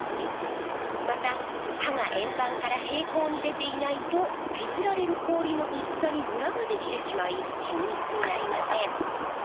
また刃が円盤から平行に出ていないと削られる氷のうすさにムラができてしまい均一になりません。